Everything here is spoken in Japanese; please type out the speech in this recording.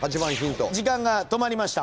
時間が止まりました。